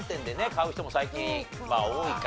買う人も最近多いか。